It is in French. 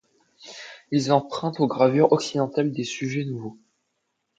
Ils empruntent aux gravures occidentales des sujets nouveaux.